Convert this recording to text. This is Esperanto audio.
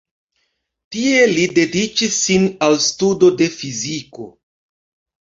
Tie li dediĉis sin al studo de fiziko.